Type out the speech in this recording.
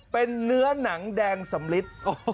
เป็นเนื้อหนังแดงสำลิด